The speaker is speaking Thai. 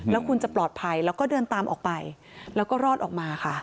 แล้วคุณจะปลอดภัยแล้วก็เดินตามออกไปแล้วก็รอดออกมาค่ะ